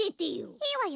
いいわよ。